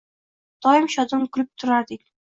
Doim shodon kulib turarding